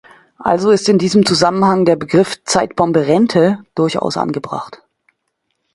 Also ist in diesem Zusammenhang der Begriff "Zeitbombe Rente" durchaus angebracht.